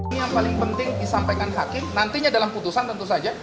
ini yang paling penting disampaikan hakim nantinya dalam putusan tentu saja